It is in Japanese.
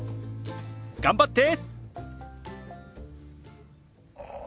頑張って！